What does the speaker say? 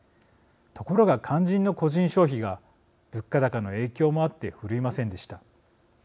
ところが、肝心の個人消費が物価高の影響もあって振るいませんでした。